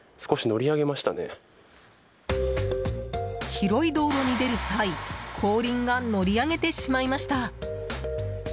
広い道路に出る際後輪が乗り上げてしまいました。